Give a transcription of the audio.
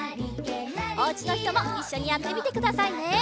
おうちのひともいっしょにやってみてくださいね！